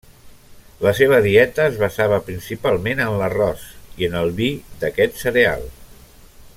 La seva dieta es basava principalment en l'arròs i en el vi d'aquest cereal.